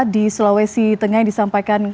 di sulawesi tengah yang disampaikan